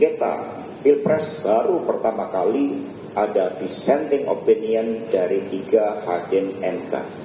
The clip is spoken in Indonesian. kita pilpres baru pertama kali ada dissenting opinion dari tiga hakim mk